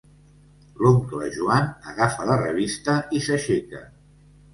L'oncle Joan agafa la revista i s'aixeca.